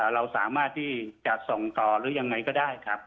เราสามารถที่จะส่งต่อหรือยังไงก็ได้ครับ